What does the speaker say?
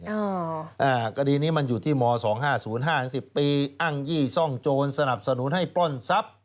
อ่ากรณีนี้มันอยู่ที่ม๒๕๐๕๑๐ปีอั้งยี่ซ่องโจรสนับสนุนให้ป้อนทรัพย์